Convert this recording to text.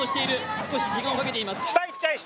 少し時間をかけています。